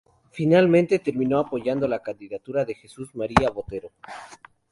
Finalmente terminó apoyando la candidatura de Jesús María Botero.